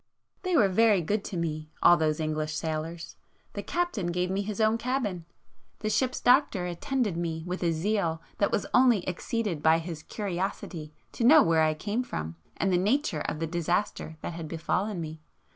They were very good to me, all those English sailors. The captain gave me his own cabin,—the ship's doctor attended me with a zeal that was only exceeded by his curiosity to know where I came from, and the nature of the disaster that had befallen me.